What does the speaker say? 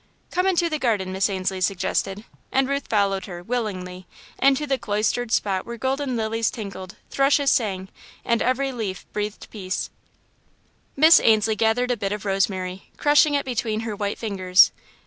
"Come into the garden," Miss Ainslie suggested, and Ruth followed her, willingly, into the cloistered spot where golden lilies tinkled, thrushes sang, and every leaf breathed peace. Miss Ainslie gathered a bit of rosemary, crushing it between her white fingers.